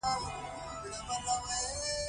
پر کتاب پروت یې یادوې شینکي خالونه